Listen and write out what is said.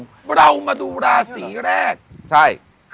แล้วเรามาดูราศีรกันแรก